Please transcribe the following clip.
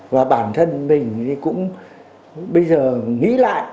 và bản thân mình cũng bây giờ nghĩ lại